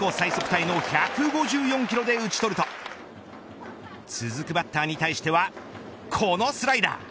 タイの１５４キロで打ち取ると続くバッターに対してはこのスライダー。